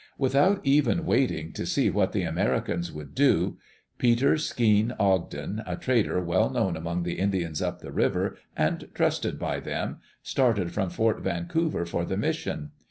Without even waiting to see what the Americans would do, Peter Skeen Ogden, a trader well known among the Indians up the river, and trusted by them, started from Fort Vancouver for the mission.